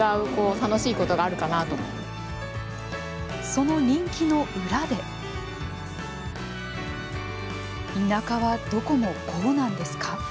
その人気の裏で「田舎はどこもこうなんですか？」